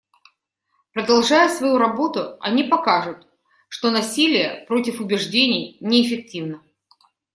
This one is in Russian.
Продолжая свою работу, они покажут, что насилие против убеждений неэффективно.